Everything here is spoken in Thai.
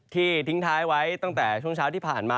ทิ้งท้ายไว้ตั้งแต่ช่วงเช้าที่ผ่านมา